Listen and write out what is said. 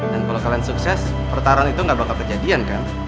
dan kalau kalian sukses pertarungan itu gak bakal kejadian kan